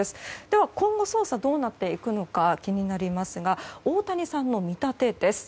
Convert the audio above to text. では、今後の捜査がどうなっていくのか気になりますが大谷さんの見立てです。